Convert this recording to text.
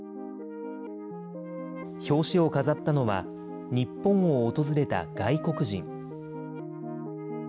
表紙を飾ったのは、日本を訪れた外国人。